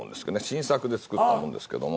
新作で作ったものですけど。